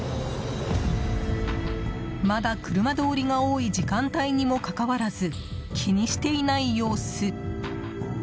まだ車通りが多い時間帯にもかかわらず気にしていない様子。